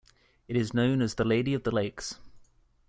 It is known as The Lady of the Lakes.